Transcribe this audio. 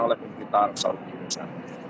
oleh pemerintah saudi arabia